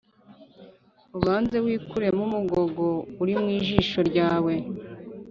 Ubanza wikuremo umugogo uri mu jisho ryawe.